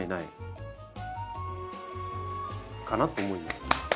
かなと思います。